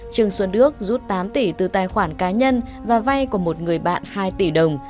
trương xuân đức rút tám tỷ từ tài khoản cá nhân và vay của một người bạn hai tỷ đồng